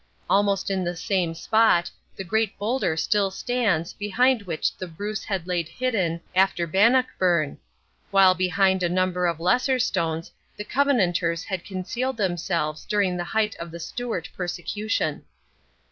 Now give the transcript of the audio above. Almost in the same spot the great boulder still stands behind which the Bruce had laid hidden after Bannockburn; while behind a number of lesser stones the Covenanters had concealed themselves during the height of the Stuart persecution.